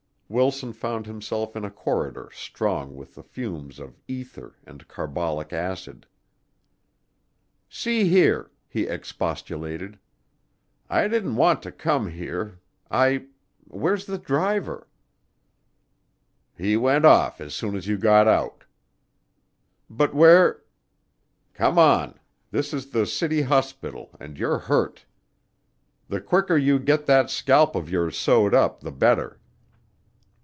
Wilson found himself in a corridor strong with the fumes of ether and carbolic acid. "See here," he expostulated, "I didn't want to come here. I where's the driver?" "He went off as soon as you got out." "But where " "Come on. This is the City Hospital and you're hurt. The quicker you get that scalp of yours sewed up the better."